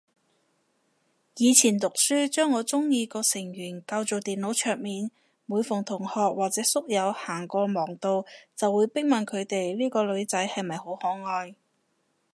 以前讀書將我鍾意個成員較做電腦桌面，每逢同學或者宿友行過望到，就會逼問佢哋呢個女仔係咪好可愛